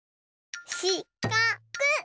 しかく。